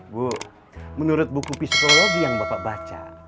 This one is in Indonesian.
bu menurut buku psikologi yang bapak baca